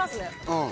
うん。